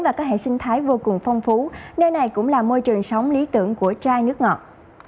và các hệ sinh thái vô cùng phong phú nơi này cũng là môi trường sống lý tưởng của chai nước ngọt